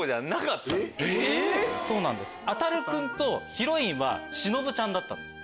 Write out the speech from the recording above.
⁉あたる君とヒロインはしのぶちゃんだった。